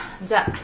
じゃあ。